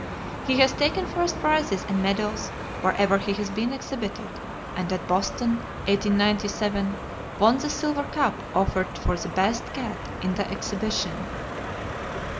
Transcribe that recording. He has taken first prizes and medals wherever he has been exhibited, and at Boston, 1897, won the silver cup offered for the best cat in the exhibition.